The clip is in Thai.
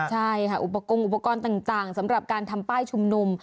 ใช่ค่ะอุปกรณ์อุปกรณ์ต่างสำหรับการทำป้ายชุมนุม